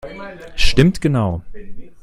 Stimmt genau!